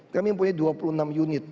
kami mempunyai dua puluh enam unit